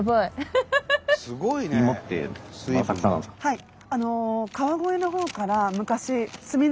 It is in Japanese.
はい。